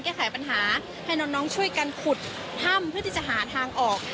แก้ไขปัญหาให้น้องช่วยกันขุดถ้ำเพื่อที่จะหาทางออก